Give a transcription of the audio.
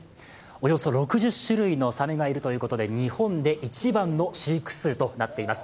およそ６０種類のさめがいるということで、日本で一番の飼育数となっています。